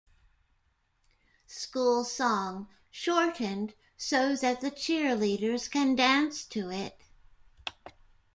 School Song, shortened so that the cheerleaders can dance to it.